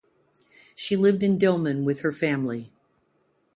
She lived in Dilmun with her family.